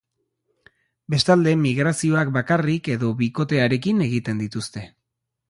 Bestalde, migrazioak bakarrik edo bikotearekin egiten dituzte.